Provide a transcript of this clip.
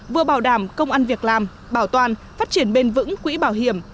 vừa bảo đảm công ăn việc làm bảo toàn phát triển bền vững quỹ bảo hiểm